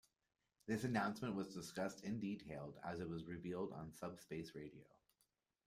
This announcement was discussed in detail as it was revealed on Subspace Radio.